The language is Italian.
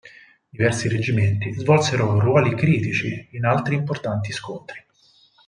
Diversi reggimenti svolsero ruoli critici in altri importanti scontri.